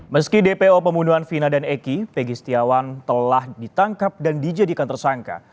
meski dpo pembunuhan vina dan eki pegi setiawan telah ditangkap dan dijadikan tersangka